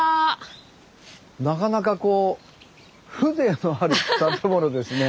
なかなかこう風情のある建物ですね。